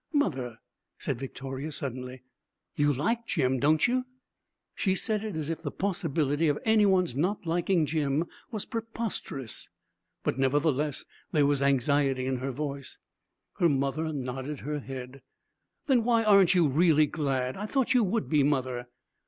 'Mother,' said Victoria, suddenly, 'you like Jim, don't you?' She said it as if the possibility of any one's not liking Jim was preposterous. But, nevertheless, there was anxiety in her voice. Her mother nodded her head. 'Then why aren't you really glad? I thought you would be, mother.'